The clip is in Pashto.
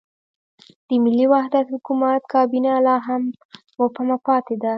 د ملي وحدت حکومت کابینه لا هم مبهمه پاتې ده.